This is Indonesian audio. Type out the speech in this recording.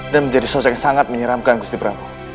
dan menjadi sosok yang sangat menyeramkan gusti prabu